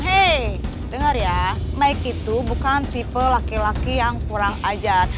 hei dengar ya mike itu bukan tipe laki laki yang kurang ajar